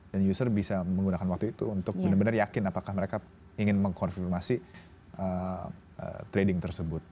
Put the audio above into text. dan user bisa menggunakan waktu itu untuk benar benar yakin apakah mereka ingin mengkonfirmasi trading tersebut